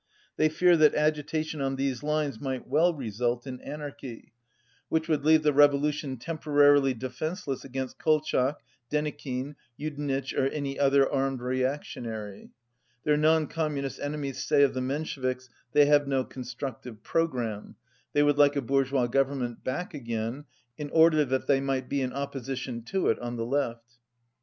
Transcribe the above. They fear that agitation on these lines 199 might well result in anarchy, which would leave the revolution temporarily defenceless against Kolchak, Denikin, Judenitch or any other armed reactionary. Their non Communist enemies say of the Mensheviks : "They have no constructive programme; they would like a bourgeois govern ment back again, in order that they might be in opposition to it, on the left."